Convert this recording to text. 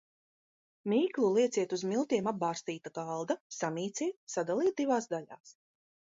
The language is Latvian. Mīklu lieciet uz miltiem apbārstīta galda, samīciet, sadaliet divās daļās.